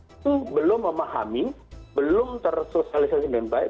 itu belum memahami belum tersosialisasi dengan baik